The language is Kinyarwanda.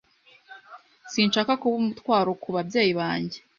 Sinshaka kuba umutwaro ku babyeyi banjye.